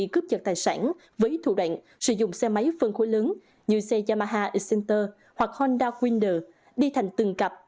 các đối tượng bị cướp vật tài sản với thủ đoạn sử dụng xe máy phân khối lớn như xe yamaha excenter hoặc honda windr đi thành từng cặp